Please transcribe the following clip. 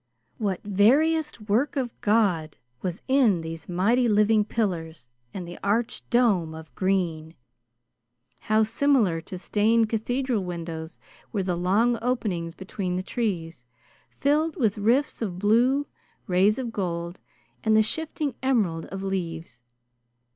What veriest work of God was in these mighty living pillars and the arched dome of green! How similar to stained cathedral windows were the long openings between the trees, filled with rifts of blue, rays of gold, and the shifting emerald of leaves!